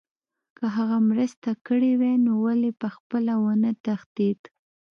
که هغه مرسته کړې وای نو ولې پخپله ونه تښتېد